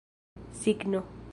signo